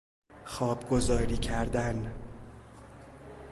خوابگزاری کردن